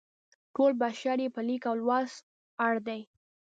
ټول بشر یې په لیک او لوست اړ دی.